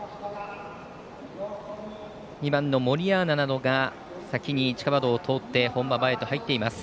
２番のモリアーナなどが先に地下馬道を通って入っています。